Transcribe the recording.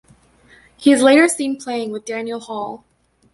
He is later seen playing with Daniel Hall.